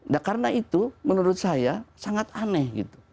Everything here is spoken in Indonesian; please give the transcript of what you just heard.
nah karena itu menurut saya sangat aneh gitu